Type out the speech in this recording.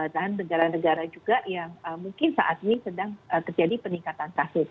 dan negara negara juga yang mungkin saat ini sedang terjadi peningkatan kasus